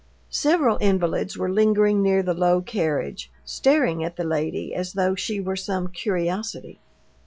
Several invalids were lingering near the low carriage, staring at the lady as though she were some curiosity.